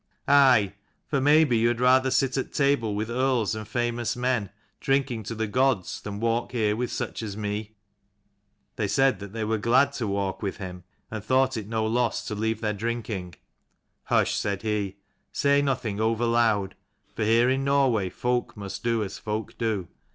" Aye : for maybe you had rather sit at table with earls and famous men, drinking to the gods, than walk here with such as me ?" They said that they were glad to walk with him, and thought it no loss to leave their drinking. " Hush," said he, " say nothing over loud ; for here in Norway folk must do as folk do.